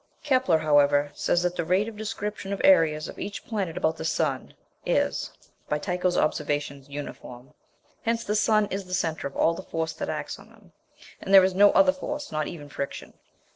Kepler, however, says that the rate of description of areas of each planet about the sun is, by Tycho's observations, uniform; hence the sun is the centre of all the force that acts on them, and there is no other force, not even friction.